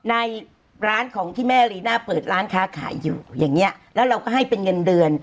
ในร้านของที่แม่รีน่าเปิดร้านค้าขายอยู่อย่างเงี้ยแล้วเราก็ให้เป็นเงินเดือน